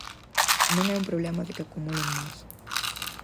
Non é un problema de que acumulen máis.